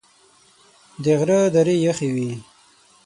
د غره درې یخي وې .